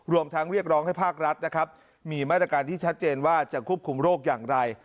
ทั้งเรียกร้องให้ภาครัฐนะครับมีมาตรการที่ชัดเจนว่าจะควบคุมโรคอย่างไร